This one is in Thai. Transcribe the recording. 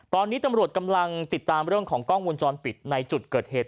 ตอนนี้ตำรวจกำลังติดตามเรื่องของกล้องวงจรปิดในจุดเกิดเหตุ